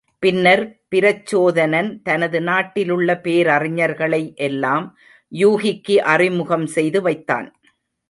பின்னர் பிரச்சோதனன் தனது நாட்டிலுள்ள பேரறிஞர்களை எல்லாம் யூகிக்கு அறிமுகம் செய்து வைத்தான்.